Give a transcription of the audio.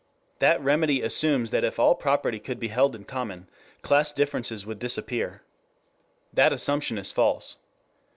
That remedy assumes that if all property could be held in common, class differences would disappear. The assumption is false.